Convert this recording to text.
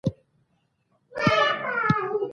خور د خپلو جامو خیال ساتي.